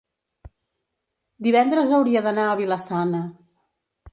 divendres hauria d'anar a Vila-sana.